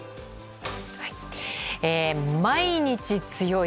毎日強い。